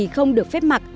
không được phép mặc